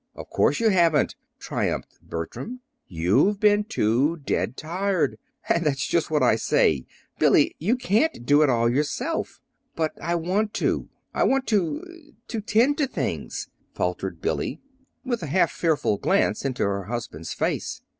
"Of course you haven't," triumphed Bertram. "You've been too dead tired. And that's just what I say. Billy, you can't do it all yourself!" "But I want to. I want to to tend to things," faltered Billy, with a half fearful glance into her husband's face.